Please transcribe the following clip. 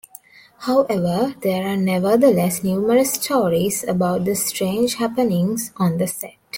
However, there are nevertheless numerous stories about the strange happenings on the set.